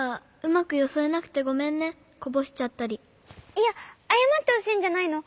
いやあやまってほしいんじゃないの。